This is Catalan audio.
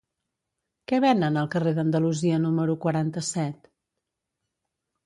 Què venen al carrer d'Andalusia número quaranta-set?